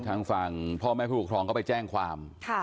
ทางฟังพ่อแม่ผู้บังคลองเขาไปแจ้งความ